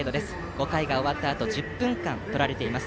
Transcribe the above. ５回が終わったあと１０分間取られています。